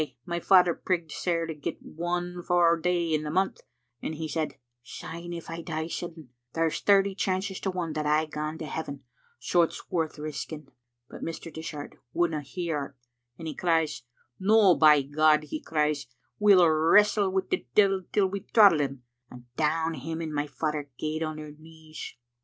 Ay, my father prigged sair to get one fou day in the month, and he said, *Syne if I die sudden, there's thirty chances to one that I gang to heaven, so it's worth risking.' But Mr. Dishart wouldna hear o't, and he cries, *No, by God,* he cries, * we'll wrestle wi' the devil till we throttle him,' and down him and my father gaed on their knees.